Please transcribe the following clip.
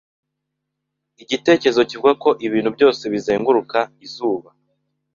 igitekerezo kivuga ko ibintu byose bizenguruka izuba